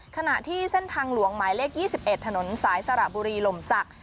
ขณะที่เส้นทางหลวงหมายเลข๒๑ถนนสายสระบุรีลมศักดิ